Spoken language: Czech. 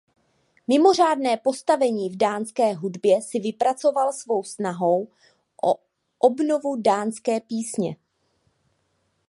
Mimořádné postavení v dánské hudbě si vypracoval svou snahou o obnovu dánské písně.